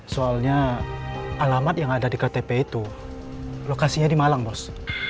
soalnya alamat yang ada di ktp itu lokasinya di malang bos